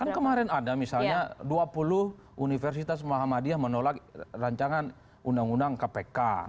kan kemarin ada misalnya dua puluh universitas muhammadiyah menolak rancangan undang undang kpk